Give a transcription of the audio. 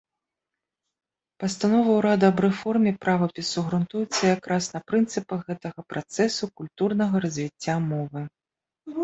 Пастанова ўрада аб рэформе правапісу грунтуецца якраз на прынцыпах гэтага працэсу культурнага развіцця мовы.